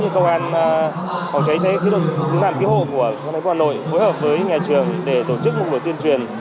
công an phòng cháy cháy công an ký hộ của công an nội phối hợp với nhà trường để tổ chức một buổi tuyên truyền